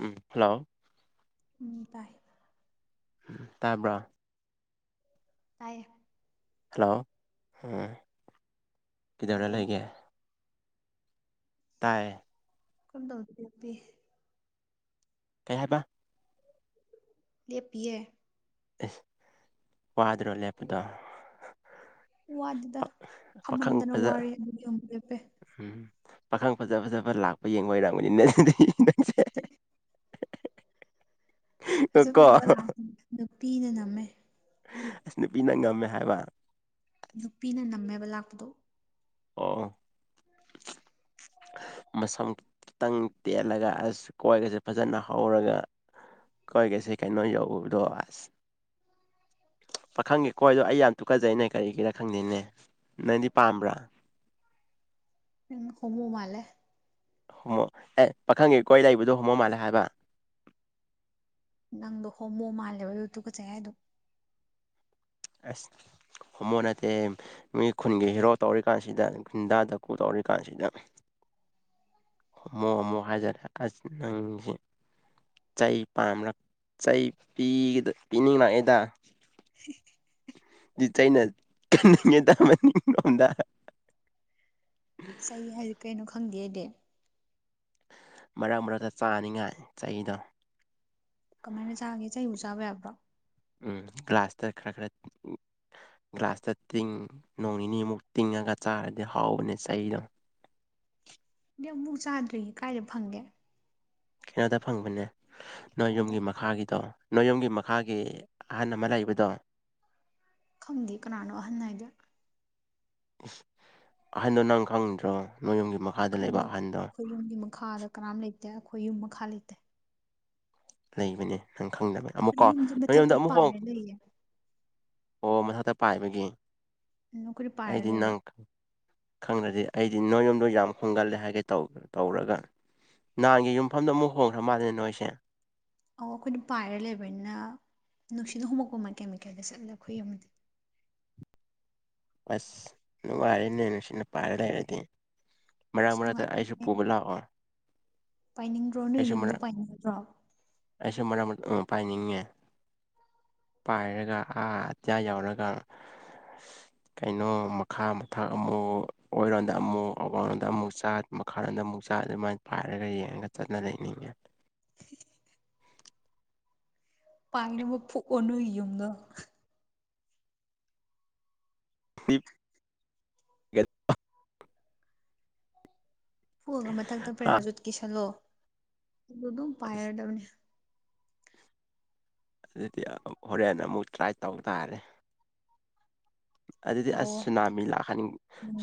ꯎꯝ hello ꯎꯝ ꯇꯥꯏ ꯎꯝ ꯇꯥꯕ꯭ꯔꫭ ꯇꯥꯏꯌꯦ ꯍꯜꯂꯣ ꯎ ꯀꯗꯧꯔꯥ ꯑꯗꯣ ꯂꯩꯒꯦ ꯇꯥꯏ ꯀꫭꯟ ꯊꫭꯡꯗ ꯂ‌ꯦꯞꯄꯤ ꯀꯩ ꯍꯥꯏꯕ ꯂꯦꯞꯄꯤꯌ‌ꯦ ꯑꯦꯁ ꯋꯥꯗ꯭ꯔꯣ ꯂꯦꯞꯄꯗꯣ ꯋꯥꯗ‌ꯦꯗ ꯄꯥꯈꯪ ꯐꯝꯍꯟꯗꯅ ꯐꯖ ꯋꯥꯔꯦ ꯑꯗꯨꯗꯤ ꯑꯃꯨꯛ ꯂꯦꯞꯄꯦ ꯎꯝ ꯄꯥꯈꯪ ꯐꯖ ꯐꯖꯕ ꯂꯥꯛꯄ ꯌꯦꯡꯉꯣꯏꯔꯥꯡꯕꯅꯤꯅ ꯅꯠꯇ‌ꯦ ꯐꯖ ꯅꯪꯁꯤꯀꯣ ꯐꯖꯕ ꯂꯥꯛꯇ ꯅꯨꯄꯤꯅ ꯅꯝꯃꯦ ꯑꯁ ꯅꯨꯄꯤꯅ ꯉꯝꯃꯦ ꯍꯥꯏꯕ ꯅꯨꯄꯤꯅ ꯅꯝꯃꯦꯕ ꯂꯥꯛꯄꯗꯣ ꯑꯣ ꯑꯣꯝ [unintelligible] ꯃꯁꯝ ꯈꯤꯇꯪ ꯇꯦꯜꯂꯒ ꯑꯁ ꯀꯣꯏꯒꯁꯦ ꯐꯖꯅ ꯍꯧꯔꯒ ꯀꯣꯏꯀ ꯁꯤ ꯀꯩꯅꯣ ꯌꯧꯕꯗꯣ ꯑꯁ [inaudible] ꯄꯥꯈꯪꯒꯤ ꯀꯣꯏꯗꯣ ꯑꯩ ꯌꯥꯝ ꯇꯨꯀꯠꯖꯩꯅꯦ ꯀꯔꯤꯒꯤꯔ ꯈꯪꯗꯦꯅꯦ ꯅꯪꯗꯤ ꯄꯥꯝꯕ꯭ꯔꯥ ꯎꯝ ꯍꫭꯃꫭꯃꯥꯟꯂ‌ꯦ ꯍꯣꯃꯣ ꯑꯦ ꯄꯥꯈꯪꯒꯤ ꯀꯣꯏ ꯂꯩꯕꯗꯣ ꯍꯣꯃꯣ ꯃꯥꯜꯂꯦ ꯍꯥꯏꯕ ꯅꯪꯗꯣ ꯍꯣꯃꯣ ꯃꯥꯜꯂꯦꯕ ꯑꯗꯨ ꯇꯨꯀꯠꯆꯩ ꯍꯥꯏꯗꯣ ꯑꯁ ꯍꯣꯃꯣ ꯅꯠꯇꯦ ꯃꯤ ꯈꯨꯟꯒꯤ ꯍꯤꯔꯣ ꯇꯧꯔꯤꯀꯥꯟꯁꯤꯗ ꯒꯟꯗꯥꯗꯀꯨ ꯇꯧꯔꯤꯀꯥꯟꯁꯤꯗ ꯍꫭꯃꫭ ꯍꫭꯃꫭ ꯍꯥꯏꯖꯔꯦ ꯑꯁ ꯅꯪꯁꯦ ꯆꯩ ꯄꯥꯝꯕꯔꯥ ꯆꯩ ꯄꯤꯅꯤꯡꯂꯛꯏꯗ [unintelligible] ꯆꯩꯅꯉ ꯇꯗ [unintelligible] ꯆꯩ ꯍꯥꯏꯁꯦ ꯀꯩꯅꯣ ꯈꯪꯗꯦ ꯑꯩꯗꯤ ꯃꯔꯛ ꯃꯔꯛꯇ ꯆꯥꯅꯤꯉꯥꯏ ꯆꯩꯗꯣ ꯀꯃꯥꯏꯅ ꯆꯥꯒꯦ ꯆꯩꯕꯨ ꯆꯥꯕ ꯌꯥꯕ꯭ꯔꯣ ꯎꯝ ꯒ꯭ꯂꯥꯁꯇ ꯈꯔ ꯈꯔ ꯒ꯭ꯂꯥꯁꯇ ꯇꯤꯡ ꯅꯣꯡ ꯅꯤꯅꯤꯃꯨꯛ ꯇꯤꯡꯉꯒ ꯆꯥꯔꯗꯤ ꯍꯥꯎꯕꯅꯦ ꯆꯩꯗꯣ ꯑꯩꯗꯤ ꯑꯃꯨꯛ ꯄꯥꯎ ꯆꯥꯗ꯭ꯔꯤ ꯀꯥꯏꯗ ꯐꯪꯒꯦ ꯀꯩꯅꯣꯗ ꯐꯪꯕꯅꯦ ꯅꯣꯏ ꯀꯥꯏꯗ ꯌꯨꯝꯒꯤ ꯃꯈꯥꯒꯤꯗꯣ ꯅꯣꯌꯌꯨꯝꯒꯤ ꯃꯈꯥꯒꯤ ꯑꯍꯜ ꯑꯃ ꯂꯩꯥꯛꯏꯕꯗꯣ ꯈꯪꯗꯦ ꯀꯅꯥꯅꯣ ꯑꯍꯟꯅ ꯍꯥꯏꯗꯤ ꯑꯍꯟꯗꯣ ꯅꯪ ꯈꯪꯗ꯭ꯔꯣ ꯅꯣꯏ ꯌꯨꯝꯒꯤ ꯃꯈꯥꯗ ꯂꯩꯕ ꯈꯪꯗ ꯑꯍꯟꯗꯣ ꯑꯩꯈꯣꯏ ꯌꯨꯝꯒꯤ ꯃꯈꯥꯗ ꯀꯅꯥꯝ ꯂꯩꯇꯦ ꯑꯩꯈꯣꯏ ꯌꯨꯝ ꯃꯈꯥ ꯂꯩꯇꯦ ꯂꯩꯕꯅꯦ ꯅꯪ ꯈꯪꯗꯕꯅꯦ ꯑꯩꯈꯣꯏ ꯑꯃꯨꯛꯀꯣ ꯌꯨꯝꯁꯦ ꯅꯣꯝꯗ ꯃꯊꯛꯇ ꯑꯃꯨꯛ ꯍꯣꯡ ꯄꯥꯏꯔ ꯂꯩꯌꯦ ꯑꯣ ꯃꯊꯥꯛꯇ ꯄꯥꯏꯕꯒ ꯀ ꯄꯥꯔ ꯂꯩ [inaudible] ꯈꯪꯗ꯭ꯔꯗꯤ ꯑꯩꯗꯤ ꯅꯣꯏ ꯌꯣꯝꯗ ꯌꯥꯝ ꯍꯣꯡꯒꯜꯂꯦ ꯍꯥꯏꯒꯦ ꯇꯧꯔꯒ ꯅꯍꯥꯟꯒꯤ ꯌꯨꯝꯐꯝꯗ ꯑꯃꯨꯛ ꯍꯣꯡꯈ꯭ꯔ ꯃꯥꯜꯜꯂꯤꯦꯅꯦ ꯅꯣꯏꯁꯦ ꯑꯣ ꯑꯩꯈꯣꯏꯅ ꯄꯥꯏꯔ ꯂꯩꯕꯅꯤꯅ ꯅꯨꯡꯁꯤꯠꯅ ꯍꯣꯡꯃꯛꯄ ꯑꯃ ꯀꯦꯃꯤꯀꯦꯜꯗ ꯆꯠꯂ ꯑꯩꯈꯣꯏ ꯑꯃꯗꯤ ꯑꯁ ꯅ ꯍꯥꯏꯅꯦ ꯅꯨꯡꯁꯤꯅ ꯄꯥꯔ ꯂꯩ ꯍꯥꯏꯗꯤ ꯃꯔꯥꯡ ꯏꯁ ꯃꯔꯛꯇ ꯅꯨꯡꯉꯥꯏꯇꯦ ꯑꯩꯁꯨ ꯄꯨꯕ ꯂꯥꯛꯑꯣ ꯄꯥꯏꯅꯤꯡꯗ꯭ꯔꯣ ꯅꯣꯏ ꯌꯨꯝꯗ ꯄꯥꯏꯅꯤꯡꯗ꯭ꯔꯣ ꯑꯦꯁ ꯃꯔꯥ ꯃ ꯄꯥꯏꯅꯤ ꯄꯥꯏꯔꯒ ꯑꯥ ꯑꯆꯥꯌꯥ ꯌꯥꯎꯔꯒ [unintelligible] [inaudible] ꯀꯩꯅꯣ ꯃꯈꯥ ꯃꯊꯛ ꯑꯃꯨꯛ ꯑꯣꯏꯔꯣꯝꯗ ꯑꯃꯨꯛ ꯑꯋꯥꯡꯔꯣꯗ ꯑꯃꯨꯛ ꯆꯥꯠ ꯃꯈꯥꯔꯣꯗ ꯑꯃꯨꯛ ꯄꯆꯥ ꯑꯗꯨꯃꯥꯏꯅ ꯄꯥꯏꯔꯒ ꯌꯦꯡꯉꯒ ꯆꯠꯅ ꯂꯩꯅꯤꯡꯉꯦ ꯄꯥꯏꯅꯝꯕ ꯄꯅ ꯌꯗꯣ [unintelligible] [inaudible] ꯐꯨꯑꯒ ꯃꯊꯛꯇ ꯍꯥ ꯄꯦꯔꯥꯖꯨꯠꯀꯤꯤꯁꯜꯂꯣ ꯑꯗꯨꯝ ꯑꯁ ꯄꯥꯏꯔꯕꯅꯦ ꯑꯗꯨꯗꯤ ꯍꯣꯔꯦꯟ ꯑꯃꯨꯛ ꯇ꯭ꯔꯥꯏ ꯇꯧ ꯇꯥꯔꯦ ꯑꯗꯨꯗꯤ ꯑꯁ ꯇꯧꯋꯣ ꯁꯨꯅꯥꯃꯤ ꯂꯍꯟ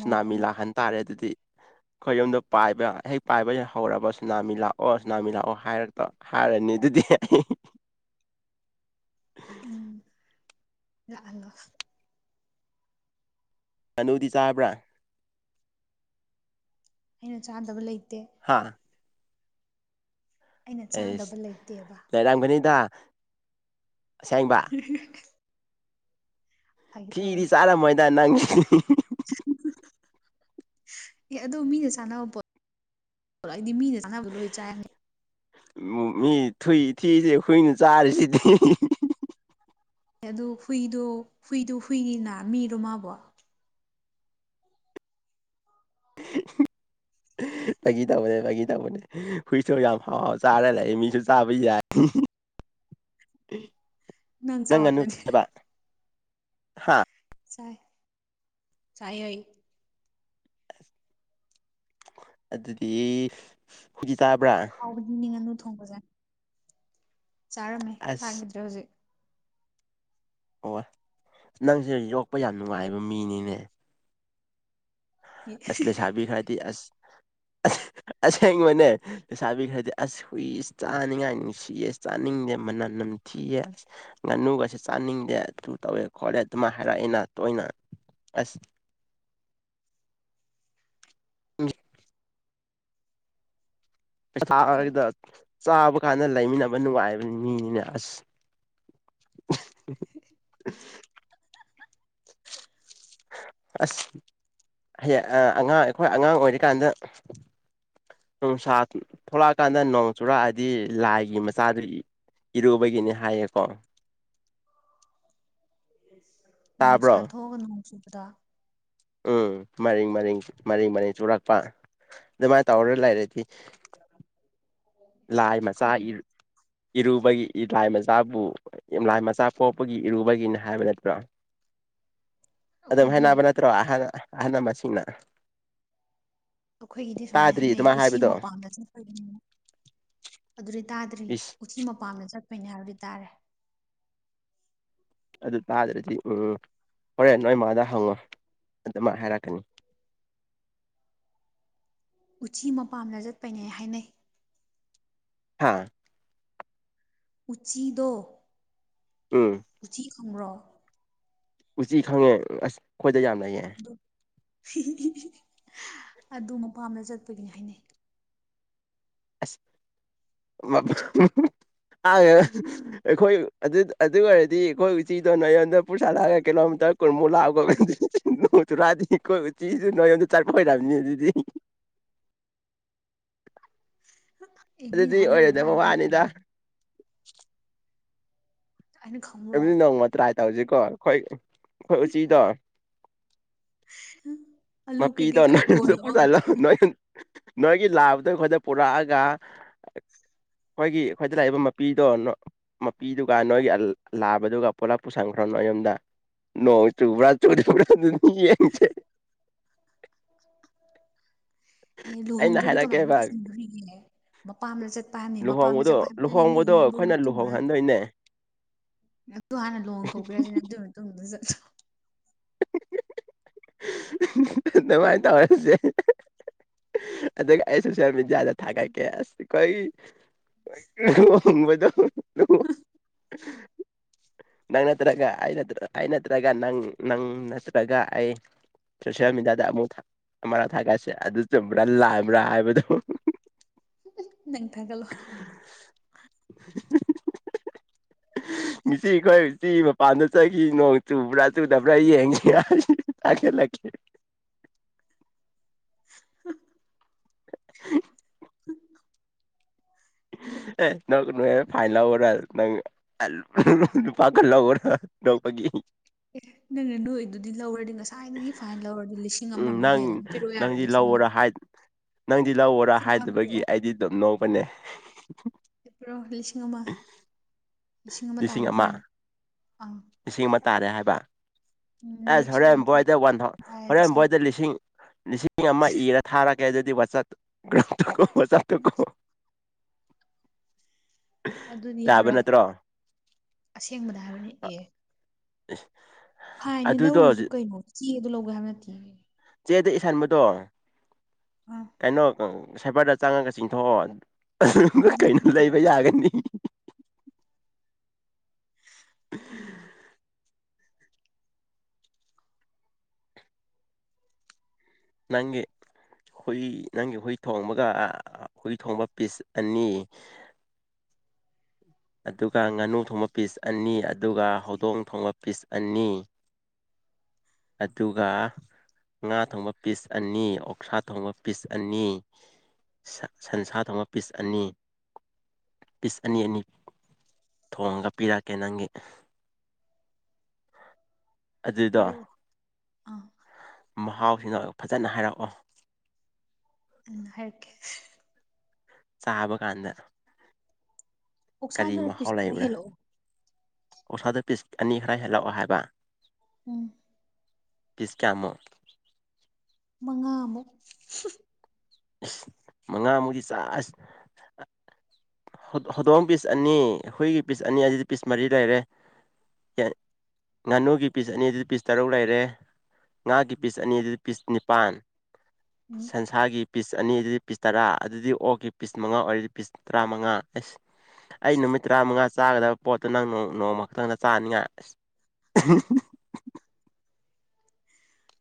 ꯁꯨꯅꯥꯃꯤ ꯂꯥꯛꯍꯟ ꯇꯥꯔꯦ ꯑꯗꯨꯗꯤ ꯑꯩꯈꯣꯏ ꯌꯨꯝꯗ ꯄꯥꯏꯕ ꯍꯦꯛ ꯄꯥꯏꯕ ꯍꯧꯔꯕ ꯁꯨꯅꯥꯃꯤ ꯂꯥꯛꯑꯣ ꯁꯨꯅꯥꯃꯤ ꯂꯥꯛꯑꯣ ꯍꯥꯏꯔꯛꯇ ꯍꯥꯏꯔꯅꯤ ꯗꯤ [inaudible] [unintelligible] [unintelligible] [inaudible] ꯎꯝ ꯂꯂꯣ [inaudible] ꯉꯅꯨꯗꯤ ꯆꯥꯕ꯭ꯔꯥ ꯑꯩꯅ ꯆꯥꯗꯕ ꯂꯩꯇꯦ ꯍꯥꯥ [inaudible] ꯑꯩꯅ ꯆꯥꯗꯕ ꯂꯩꯇꯦꯕ ꯗ [unintelligible] [inaudible] ꯎ [unintelligible] [inaudible] ꯐꯤꯗꯤ ꯆꯥꯔꯝꯃꯣꯏꯗ ꯅꯪ ꯎꯝ ꯑꯦ ꯑꯗꯨ ꯃꯤꯅ ꯆꯥꯅꯕ ꯄꯣ ꯑꯩꯗꯤ ꯃꯤꯅ ꯆꯥꯟꯅꯕꯗꯣ ꯂꯣꯏ ꯆꯥꯔꯝꯅꯤ ꯃꯤ ꯊꯨꯏ ꯊꯁꯤꯦ ꯍꯨꯏꯅ ꯆꯥꯔꯁꯤꯗꯤ ꯑꯦ ꯑꯗꯨ ꯍꯨꯏꯗꯣ ꯍꯨꯏꯗꯣ ꯍꯨꯏꯅ ꯃꯤꯔꯣ ꯃꯥꯕꯣ [unintelligible] [inaudible] ꯄꯒꯤ ꯇꯧꯕꯅꯦ ꯄꯒꯤ ꯇꯧꯕꯅꯦ ꯍꯨꯏꯁꯨ ꯌꯥꯝ ꯍꯥꯎ ꯆꯥꯔ ꯂꯩ ꯃꯤꯁꯨ ꯆꯥꯕ ꯌꯥꯏ [unintelligible] [inaudible] ꯎꯝ ꯅꯪ ꯆꯥꯕ ꯇꯗꯤ ꯍꯥ [inaudible] ꯁꯥꯏ [inaudible] ꯑꯗꯨꯗꯤ ꯍꯖꯤ ꯍꯥꯎꯕꯗꯤ ꯅꯤꯡ ꯉꯅꯨ ꯊꯣꯡꯕꯁꯦ ꯆꯥꯔꯃꯦ ꯑꯁ ꯆꯒꯗ꯭ꯔꯦ ꯍꯧꯖꯤꯛ ꯍ ꯅꯪꯁ ꯍꯧꯛ ꯌꯣꯛꯄ ꯌꯥꯝ ꯅꯨꯡꯉꯥꯏꯕ ꯃꯤꯅꯤꯅꯦ ꯑꯁꯂ ꯆꯥꯕꯤ ꯈꯔꯗꯤ ꯑꯁ ꯑꯁꯦꯡꯕꯅꯦ ꯂꯩꯁꯥꯕꯤ ꯈ꯭ꯔꯗꯤ ꯑꯁ ꯍꯨꯏ ꯆꯥꯅꯤꯡꯉꯥꯏ ꯍꯨꯁ ꯆꯥꯅꯤꯡꯗꯦ ꯃꯅ ꯊꯤꯑ ꯉꯥꯅꯨꯒꯁꯦ ꯆꯥꯅꯤꯡꯗꯦ ꯑꯗꯨ ꯇꯧꯋꯦ ꯈꯣꯠꯂꯦ ꯑꯗꯨꯃꯥꯏ ꯍꯥꯏꯔꯛꯑꯦꯅ ꯇꯣꯏꯅ ꯑꯁ [inaudible] ꯎꯝ ꯀꯩ [unintelligible] ꯆꯥꯕ ꯀꯥꯟꯅ ꯂꯩꯃꯤꯟꯅꯕ ꯅꯨꯡꯉꯥꯏꯕ ꯃꯤꯅꯤꯅꯦ ꯑꯁ [unintelligible] [unintelligible] ꯑꯁ ꯍꯌꯦꯡ ꯑꯉꯥꯡ ꯑꯩꯈꯣꯏ ꯑꯉꯥꯡ ꯑꯣꯏꯔꯤꯀꯥꯟꯗ ꯅꯨꯡꯁꯥ ꯊꯣꯛꯂꯛꯑꯀꯥꯟꯗ ꯅꯣꯡ ꯆꯨꯔꯛꯑꯗꯤ ꯂꯥꯏꯒꯤ ꯃꯆꯥꯗꯨ ꯏ ꯏꯔꯨꯕꯒꯤꯅꯤ ꯍꯥꯏꯌꯦꯀꯣ ꯅꯨꯡꯁꯥ ꯇꯥꯕ꯭ꯔꯣ ꯊꯣꯛꯑꯒ ꯅꯣꯡ ꯆꯨꯕꯗ ꯎꯝ ꯃꯔꯤꯡ ꯃꯔꯤꯡ ꯃꯔꯤꯡ ꯃꯔꯤꯡ ꯆꯨꯔꯛꯄ ꯑꯗꯨꯃꯥꯏꯅ ꯇꯧꯔ ꯂꯩꯔꯗꯤ ꯂꯥꯏ ꯃꯆꯥ ꯈꯪꯗꯦ ꯏꯔꯨꯕꯒꯤ ꯂꯥꯏ ꯃꯆꯥꯕꯨ ꯌꯥꯝ ꯂꯥꯏ ꯃꯆꯥ ꯄꯣꯛꯄꯒꯤ ꯏꯔꯨꯕꯒꯤꯅꯤ ꯍꯥꯏꯕ ꯅꯠꯇ꯭ꯔꯣ [unintelligible] ꯑꯗꯨꯝ ꯑꯩꯈꯣꯏꯗꯤ ꯍꯥꯏꯅꯕ ꯅꯠꯇ꯭ꯔꯣ ꯑꯍ ꯑꯍꯜ ꯂꯃꯁꯤꯡꯅ ꯑꯩꯈꯣꯏꯒꯤꯗꯤ ꯁꯨꯃꯥꯏꯅ ꯍꯥꯏꯅꯩ ꯎꯆꯤ ꯍꯥꯏꯕꯗꯣ ꯃꯄꯥꯟꯗꯁꯨ ꯐꯅꯤꯅ ꯑꯗꯨꯗꯤ ꯇꯥꯗ꯭ꯔꯤ ꯏꯁ ꯎꯆꯤ ꯃꯄꯥꯝꯗ ꯆꯠꯄꯩꯅꯦ ꯍꯥꯏꯕꯗꯤ ꯇꯥꯔꯦ ꯑꯗꯨ ꯇꯥꯗ꯭ꯔꯗꯤ ꯎꯝ ꯍꯣꯔꯦꯟ ꯅꯣꯏ ꯏꯃꯥꯗ ꯍꯪꯉꯣ ꯑꯗꯨꯃꯛ ꯍꯥꯏꯔꯛꯀꯅꯤ ꯎꯆꯤ ꯃꯄꯥꯝꯅ ꯆꯠꯄꯅꯦ ꯍꯥꯏꯅꯩ ꯍꯥꯥ ꯎꯆꯤꯗꯣ ꯎꯝ ꯎꯆꯤ ꯈꯪꯕ꯭ꯔꯣ ꯎꯆꯤ ꯈꯪꯉꯦ ꯑꯁ ꯑꯩꯈꯣꯏꯗ ꯌꯥꯝ ꯂꯩꯌꯦ ꯑꯗꯨ ꯑꯗꯨ ꯃꯄꯥꯝꯗ ꯆꯠꯄꯒꯤꯅꯤ ꯍꯥꯏꯅꯩ ꯑꯁ ꯑ ꯑꯩꯈꯣꯏ ꯑꯗꯨ ꯑꯗꯨ ꯑꯣꯏꯔꯗꯤ ꯑꯩꯈꯣꯏ ꯎꯆꯤꯗꯣ ꯅꯉꯣꯟꯗ ꯄꯨꯔꯁꯥꯂꯥꯛꯑꯒ ꯀꯤꯂꯣꯃꯤꯇꯔ ꯀꯨꯟꯃꯨꯛ ꯂꯥꯛꯑꯕ ꯈꯣ [unintelligible] ꯆꯨꯔꯛꯑꯗꯤ ꯀꯣꯏ ꯆꯤꯁꯨ ꯅꯣꯏꯉꯣꯟꯗ ꯆꯥꯔꯄ ꯑꯣꯏꯔꯝꯅꯤ ꯑꯗꯨꯗꯤ [unintelligible] ꯑꯦ ꯃꯤꯅ ꯑꯗꯨꯗꯤ ꯍꯥꯏꯅꯕ ꯍꯥꯏꯕꯅꯤ ꯑꯣꯏꯔꯣꯏꯗꯕꯋꯥꯅꯤꯗ ꯀꯩꯅꯣ ꯑꯩꯅ ꯈꯪꯕ꯭ꯔꯣ ꯑꯗꯨꯗꯤ ꯅꯣꯡꯃ ꯇ꯭ꯔꯥꯏ ꯇꯧꯁꯤꯀꯣ ꯑꯩꯈꯣꯏ ꯑꯩꯈꯣꯏ ꯎꯆꯤꯗꯣ ꯎꯝ ꯃꯥ ꯄꯤ ꯗꯣ [unintelligible] ꯄꯨꯁꯂ ꯅꯣꯏꯒꯤ ꯂꯥꯕꯗ ꯑꯩꯈꯣꯏꯗ ꯄꯨꯔꯛꯑꯒ ꯑꯩꯈꯣꯏꯒꯤ ꯑꯩꯈꯣꯏꯗ ꯂꯥꯛꯏꯕ ꯃꯄꯤꯗꯣ ꯃꯄꯤꯗꯨꯒ ꯅꯣꯏꯒꯤ ꯂꯥꯕꯗꯨꯒ ꯄꯨꯂꯞ ꯄꯨꯁꯟꯈ꯭ꯔꯣ ꯅ ꯌꯣꯝꯗ ꯅꯣꯡ ꯆꯨꯕ꯭ꯔꯥ ꯆꯨꯔꯤꯕ꯭ꯔꯥ ꯑꯗꯨ ꯌꯦꯡꯁꯦ ꯑꯦ ꯑꯩꯅ ꯂꯨꯍꯣꯡꯗ꯭ꯔꯗꯤ ꯀꯃꯥꯏꯅ ꯍꯥꯏꯔꯛꯀꯦꯕ ꯄꯨꯁꯟꯈꯔꯤꯒꯦ ꯃꯄꯥꯝꯗ ꯆꯠꯄ ꯍꯥꯏꯕꯅꯤ ꯃꯄꯥꯝꯗ ꯆꯠꯄ ꯍꯥꯏꯕꯗꯨ ꯂꯨꯍꯣ ꯗꯣ ꯑꯩꯈꯣꯏꯅ ꯂꯨꯍꯣꯡꯍꯟꯗꯣꯏꯅꯦ ꯑꯗꯨ ꯍꯥꯟꯅ ꯂꯨꯣꯡꯊꯣꯛꯄꯤꯔꯁꯤꯅꯦ ꯑꯗꯨꯒꯤ ꯃꯇꯨꯡ ꯃꯇꯨꯡ ꯆꯠꯂ ꯃꯥꯏꯅ ꯇꯧꯔꯁꯦ ꯑꯗꯨꯒ ꯑꯩ ꯁꯣꯁꯤꯜ ꯃꯦꯗꯤꯌꯥꯗ ꯊꯥꯒꯥꯏꯀꯦ ꯑꯩꯈꯣꯏ ꯇꯨꯃꯣꯏꯗ [unintelligible] ꯅꯪ ꯅꯠꯇ꯭ꯔꯒ ꯑꯩ ꯑꯩ ꯅꯠꯇ꯭ꯔꯒ ꯅꯪ ꯅꯪ ꯅꯠꯇ꯭ꯔꯒ ꯑꯩ ꯁꯣꯁꯤꯌꯦꯜ ꯃꯦꯗꯤꯌꯥꯗ ꯑꯃꯨꯛ ꯑꯃ ꯊꯥꯒꯠꯁꯦ ꯑꯗꯨ ꯆꯨꯝꯕ꯭ꯔꯥ ꯂꯥꯛꯑꯕ꯭ꯔꯥ ꯍꯥꯏꯕꯗꯣ ꯅꯪ ꯊꯒꯂꯣ ꯃꯤꯁꯤ ꯏꯈꯁꯤ ꯄꯥꯟꯗ ꯆꯈꯤ ꯅꯣꯡ ꯆꯨꯕ꯭ꯔꯥ ꯆꯨꯗꯕ꯭ꯔꯥ ꯌꯦꯡꯉ ꯍꯥꯏ ꯇꯥꯒꯠꯂꯛꯀꯦ [unintelligible] [unintelligible] [unintelligible] ꯍ [unintelligible] ꯑꯦ ꯅꯦ ꯐꯥꯏ ꯂꯕ ꯅꯪ ꯅꯨꯄꯥꯒꯜꯂꯔ ꯅꯄꯒꯤ ꯑꯦ ꯅꯪꯅꯦ ꯅꯣꯏꯗꯨꯗꯤ ꯂꯧꯔꯗꯤ ꯉꯁꯥꯏꯗꯒꯤ ꯐꯥꯏꯟ ꯂꯧꯔꯗꯤ ꯂꯤꯁꯤꯡ ꯑꯃꯃꯨꯛ ꯍꯦꯜꯂꯅꯤ ꯄꯤꯔꯛꯑꯣ ꯌꯥꯔꯣꯏ ꯂꯤꯁꯤꯡ ꯑꯃ ꯔ ꯍꯥꯏ ꯅꯪꯗꯤ ꯂꯧꯑꯣꯔꯥ ꯂꯤꯁꯤꯡ ꯑꯃ ꯍꯥꯏꯗꯕꯒꯤ ꯄꯤꯔꯛꯑꯣ ꯑꯩꯗꯤ ꯑꯗꯨꯝ ꯅꯣꯛꯧꯕꯅꯦ ꯄ꯭ꯔꯣ ꯂꯤꯁꯤꯡ ꯑꯃ ꯂꯤꯁꯤꯡ ꯑꯃ ꯇꯥꯔꯦ ꯐꯔ ꯑꯥ ꯂꯤꯁꯤꯡ ꯑꯃ ꯇꯥꯔꯦ ꯍꯥꯏꯕ [unintelligible] ꯑꯁ ꯄꯩꯁꯥ ꯌꯥꯝ ꯍꯣꯔꯦꯟ ꯄꯥꯏ ꯕꯣꯏꯗ ꯋꯥꯟ ꯍꯣꯔꯦꯟ ꯕꯣꯏꯗ ꯂꯤꯁꯤꯡ ꯂꯤꯁꯤꯡ ꯑꯃ ꯏꯔ ꯊꯥꯔꯛꯀꯦ ꯑꯗꯨꯗꯤ ꯋꯥꯆ ꯀ ꯇ ꯀꯣꯆꯥ ꯇ ꯀꯣ ꯑꯗꯨꯗꯤ ꯌꯥꯔꯣꯏ ꯑꯁꯦꯡꯕꯗ ꯍꯥꯏꯕꯅꯤ ꯑꯦ [unintelligible] ꯍꯥꯏꯅꯦ ꯑꯗꯨꯗꯣ ꯂꯧꯔꯤꯁꯤ ꯀꯩꯅꯣ ꯆꯦ ꯑꯗꯨ ꯂꯧꯒꯦ ꯍꯥꯏꯕ ꯅꯠꯇꯦ ꯆꯦꯗ ꯏꯁꯟꯥꯟꯕꯗꯣ ꯑꯥ ꯀꯩꯅꯣ ꯁꯥꯏꯕꯔꯗ ꯆꯪꯉꯒ ꯆꯤꯡꯊꯣꯛꯑꯣ ꯎꯝ ꯅꯪ ꯀꯩꯅꯣ ꯂꯩꯕ ꯄꯤꯊꯣꯛꯑꯣ ꯌꯥꯒꯅꯤ ꯅꯪꯦ ꯍꯨꯏ ꯅꯪꯒꯤ ꯍꯨꯏ ꯊꯣꯡꯕꯒ ꯍꯨꯏ ꯊꯣꯡꯕ ꯄꯤꯁ ꯑꯅꯤ [unintelligible] ꯑꯗꯨꯒ ꯉꯥꯅꯨ ꯊꯣꯡꯕ ꯄꯤꯁ ꯑꯅꯤ ꯑꯗꯨꯒ ꯍꯧꯗꯣꯡ ꯊꯣꯡꯕ ꯄꯤꯁ ꯑꯅꯤ ꯑꯗꯨꯒ ꯉꯥ ꯊꯣꯡꯕ ꯄꯤꯁ ꯑꯅꯤ ꯑꯣꯛꯁꯥ ꯊꯣꯡꯕ ꯄꯤꯁ ꯑꯅꯤ ꯁꯟꯁꯥ ꯊꯣꯡꯕ ꯄꯤꯁ ꯑꯅꯤ ꯄꯤꯁ ꯑꯅꯤ ꯑꯅꯤ ꯊꯣꯡꯒ ꯄꯤꯔꯛꯀꯦ ꯅꯪꯒꯤ ꯑꯗꯨꯗ ꯄꯤꯔꯛꯑꯣ ꯑꯥ ꯃꯍꯥꯛ ꯅ ꯐꯖꯅ ꯍꯥꯏꯔꯛꯑꯣ ꯎ ꯍꯥꯏꯀꯦ ꯆꯥꯕ ꯀꯥꯟꯗꯅ ꯀꯔꯤ ꯑꯣꯛꯁꯥꯗꯨꯅ ꯃꯍꯥꯎ ꯄꯤꯁ ꯈꯔ ꯂꯩꯕ꯭ꯔꯥ ꯍꯦꯜꯂꯛꯑꯣ ꯑꯣꯁꯥꯗ ꯄꯤꯁ ꯑꯅꯤ ꯈꯔ ꯍꯦꯜꯂꯛꯑꯣ ꯍꯥꯏꯕ ꯎꯝ ꯄꯤꯁꯀꯃꯣ ꯃꯉꯥꯃꯨꯛ ꯑ ꯃꯉꯥꯃꯨꯛꯀꯤ ꯆꯥꯛ ꯍꯧꯗꯣꯡ ꯄꯤꯁ ꯑꯅꯤ ꯍꯈꯨꯏꯒꯤ ꯄꯤꯁ ꯑꯅꯤ ꯑꯁꯤꯗꯤ ꯄꯤꯁ ꯃꯔꯤ ꯂꯩꯔꯦ ꯉꯥꯅꯨꯒꯤ ꯄꯤꯁ ꯑꯅꯤꯗꯨꯗꯤ ꯄꯤꯁ ꯇꯔꯨꯛ ꯂꯩꯔꯦ ꯉꯥꯒꯤ ꯄꯤꯁ ꯑꯅꯤ ꯑꯗꯨꯗ ꯄꯤꯁ ꯅꯤꯄꯜ ꯎꯝ ꯁꯟꯁꯥꯒꯤ ꯄꯤꯁ ꯑꯅꯤ ꯑꯗꯨꯗꯤ ꯄꯤꯁ ꯇꯔꯥ ꯑꯗꯨꯗꯤ ꯑꯣꯛꯀꯤ ꯄꯤꯁ ꯃꯉꯥ ꯑꯣꯏꯔꯗꯤ ꯄꯤꯁ ꯇꯔꯥꯃꯉꯥ ꯑꯦꯁ ꯑꯩ ꯅꯨꯃꯤꯠ ꯇꯔꯥꯃꯉꯥ ꯆꯥꯒꯗꯕ ꯄꯣꯠꯇꯨ ꯅꯪ ꯅꯣꯡꯃ ꯈꯛꯇꯪꯗ ꯆꯥꯅꯤꯉꯥꯏ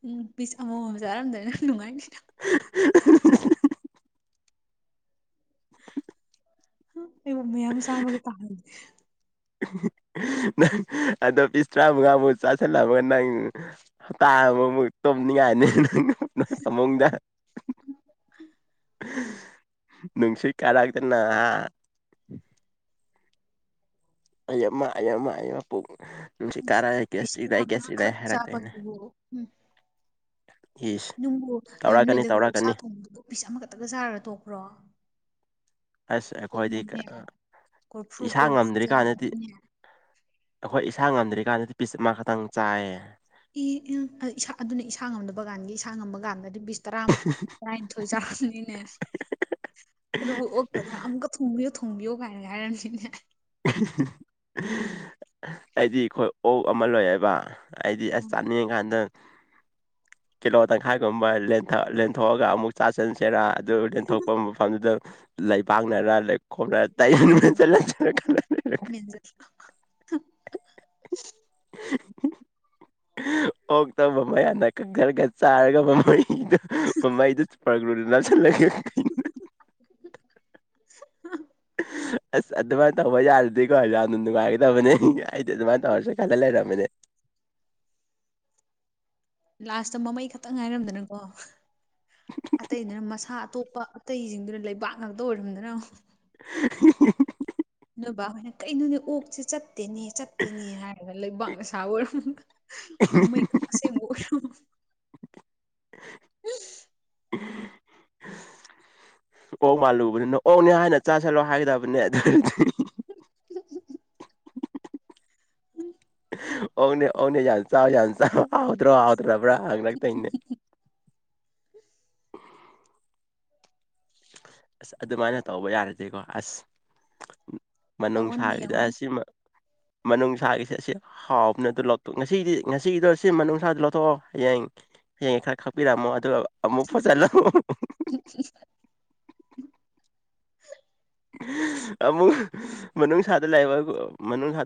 ꯎꯝ ꯄꯤꯁ ꯑꯃꯣꯃꯝ ꯆꯥꯔꯝꯗꯣꯏꯅ ꯅꯨꯡꯉꯥꯏꯅꯤ [unintelligible] [unintelligible] ꯑꯩꯉ ꯃꯌꯥꯝ ꯁꯥꯃꯒ ꯇꯥꯦ ꯎ ꯅꯪ ꯑꯗꯣ ꯄꯤꯁ ꯇꯔꯥ ꯃꯨꯉꯥꯃꯨꯛ ꯆꯥꯁꯤꯜꯂꯒ ꯅꯪꯞ ꯇꯥꯕꯃꯨꯛ ꯅꯤꯡꯉꯥꯏꯅꯦꯪꯃꯗ ꯅꯪꯁꯤ ꯀꯔꯒꯗꯅ ꯑꯩꯃꯃꯄꯨꯡ ꯅꯨꯡꯁꯤ ꯏꯁ ꯀꯥꯔꯛꯒꯦ ꯄꯤꯁ ꯀꯦꯁꯇ꯭ꯔꯤ ꯂꯩ ꯀꯦꯁꯇ꯭ꯔꯤ ꯇꯔꯥꯃꯉꯥꯈꯛ ꯂꯩ ꯍꯥꯏꯔꯛꯇꯣꯏꯅꯦ ꯆꯥꯕꯗꯨꯕꯨ ꯏꯁ ꯅꯪꯕꯨ ꯇꯧꯔꯛꯀꯅꯤ ꯅꯣꯏꯗꯒ ꯎꯛꯁꯥ ꯇꯧꯔꯛꯀꯅꯤ ꯊꯣꯡꯕꯗꯨ ꯄꯄꯤꯤꯁ ꯑꯃꯈꯛꯇꯒ ꯆꯥꯔ ꯇꯣꯛꯄ꯭ꯔꯣ ꯑꯁ ꯑꯩꯈꯣꯏꯗꯤ ꯇꯣꯛꯑꯝꯃꯣꯏꯅꯦ ꯀꯣꯔꯐꯨ ꯏꯁꯥ ꯀꯣꯔꯐꯨ ꯉꯝꯗ꯭ꯔꯤ ꯀꯥꯟꯗꯗꯤ ꯆꯥꯔꯝꯃꯅꯤꯅꯦ ꯑꯩꯈꯣꯏ ꯏꯁꯥ ꯉꯝꯗ꯭ꯔꯤꯀꯥꯟꯗꯗꯤ ꯄꯤꯁ ꯑꯃ ꯈꯛꯇꯪ ꯆꯥꯏꯌꯦ ꯏ ꯎ ꯏꯁ ꯑꯗꯨꯅ ꯏꯁꯥ ꯉꯝꯗꯕ ꯀꯥꯟꯒꯤ ꯏꯁꯥꯡ ꯉꯝꯕ ꯀꯥꯟꯗꯗꯤ ꯕꯤ ꯇꯔꯥ ꯇꯔꯥꯅꯤꯊꯣꯏ ꯆꯥꯕꯅꯤꯅꯦ ꯑꯗꯨꯕꯨ ꯑꯣ ꯑꯃꯨꯛꯀ ꯊ ꯊꯣꯡꯕꯤꯌꯣ ꯀꯥꯏꯔꯦ ꯍꯥꯏꯔꯔꯕꯅꯤꯅꯦ ꯑꯩꯗꯤ ꯑꯩꯈꯣꯏ ꯑꯣꯛ ꯑꯃ ꯂꯣꯏꯑꯕ ꯍꯥꯏꯗꯤ ꯑꯁ ꯆꯥꯅꯤꯡꯉꯀꯥꯟꯗ ꯀꯤꯂꯣ ꯇꯪꯈꯥꯏꯒꯨꯝꯕ ꯂꯦꯟꯊꯣꯛꯑꯒ ꯑꯃꯨꯛ ꯆꯥ ꯆꯟꯁꯤꯦꯔꯥ ꯑꯗꯨ ꯂꯦꯟꯊꯣꯛꯄ ꯃꯐꯝꯗꯨꯗ ꯂꯩ ꯄꯥꯛꯅꯔ ꯂꯩ ꯈꯣꯝꯅꯔ ꯇꯩꯦꯟꯂ ꯃꯤꯖꯔ ꯑꯣꯛꯇ ꯃ ꯃꯌꯥꯗ ꯀꯛ ꯈꯔꯒ ꯆꯥꯔꯒ ꯃꯃꯗ ꯃꯃ ꯏꯗꯤ ꯄꯒꯨ ꯅ ꯆꯂꯒꯦ [unintelligible] ꯑꯁ ꯑꯗꯨꯃꯥꯏꯅ ꯇꯧꯕ ꯌꯥꯔꯗꯤꯀꯣ ꯑꯗꯨꯖ ꯌꯥꯝꯅ ꯅꯨꯡꯉꯥꯏꯒꯗꯕꯅꯦ ꯑꯩꯗꯤ ꯑꯗꯨꯃꯅ ꯇꯧꯔꯁꯨ ꯈꯂ ꯂꯩꯔꯝꯝꯕꯅꯦ [unintelligible] ꯂꯥꯁꯇ ꯃꯃꯩ ꯈꯛꯇꯪ ꯉꯥꯏꯔꯝꯗꯅꯀꯣ ꯑꯇꯩꯗꯅ ꯃꯁꯥ ꯑꯇꯣꯞꯄ ꯑꯇꯩꯁꯤꯡꯗꯨꯅ ꯂꯩꯕꯥꯛ ꯉꯥꯛꯇ ꯑꯣꯏꯔꯝꯗꯅ [unintelligible] ꯈꯣꯏꯅ ꯀꯩꯅꯣꯅꯦ ꯑꯣꯛꯁꯦ ꯆꯠꯇꯦꯅꯦ ꯆꯠꯇꯦꯅꯦ ꯍꯥꯏꯔꯒ ꯂꯩꯕꯥꯛꯅꯁꯥꯕ ꯑꯣꯏꯔꯝ ꯃꯃꯩ ꯀꯁꯦꯣꯜ [unintelligible] ꯑꯣꯛ ꯃꯥꯜꯂꯨꯕꯅꯤꯅ ꯑꯣꯛꯅꯦ ꯍꯥꯏꯅ ꯆꯥꯥꯁꯜꯂꯣ ꯍꯥꯏꯒꯗꯕꯅꯦ ꯑꯗꯨꯗꯤ ꯎ ꯑꯅꯦ ꯌꯥꯁꯥꯎ ꯌꯥꯁ ꯑꯥꯎꯇ꯭ꯔꯣ ꯑꯇ꯭ꯔ ꯅꯕ꯭ꯔꯅꯥꯒ ꯊꯅꯦ [unintelligible] ꯑꯁ ꯑꯗꯨꯃꯥꯏꯅ ꯇꯧꯕ ꯌꯥꯔꯁꯦꯀꯣ ꯑꯁ ꯃꯅꯨꯡ ꯇꯧꯑꯣꯅꯦ ꯁꯥꯔꯤꯗ ꯌꯦꯡꯉꯣꯅꯦ ꯑꯁꯤꯃ ꯃꯅꯨꯡꯅꯨꯡꯁꯥꯒꯤꯁꯦ ꯑꯁꯤ ꯍꯥꯎꯅ ꯑꯗꯨ ꯂꯧꯊꯣꯛ ꯉꯁꯤꯗꯤ ꯉꯁꯤꯗꯣ ꯑꯁꯤ ꯃꯅꯨꯡꯅꯨꯡꯁꯥꯗꯨ ꯂꯧꯊꯣꯛꯑꯣ ꯍꯌꯦꯡ ꯍꯌꯦꯡ ꯈꯔ ꯈꯥꯛꯄꯤꯔꯛꯝꯃꯣ ꯑꯗꯨꯒ ꯑꯃꯨꯛ ꯐꯖꯜꯂꯃꯣ [unintelligible] ꯑꯃꯨꯛ ꯃꯅꯨꯡꯥꯗ ꯂꯩꯕ ꯃꯅꯨꯡꯗ